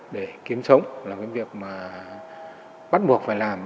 để kiếm sống là cái việc mà bắt buộc phải làm